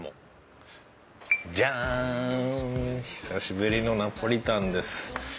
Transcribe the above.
久しぶりのナポリタンです。